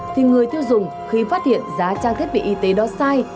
thì người tiêu dùng khi phát hiện giá trang thiết bị y tế đó sai